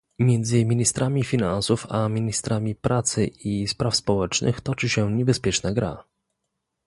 Między ministrami finansów a ministrami pracy i spraw społecznych toczy się niebezpieczna gra